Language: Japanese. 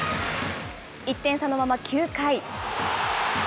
１点差のまま９回。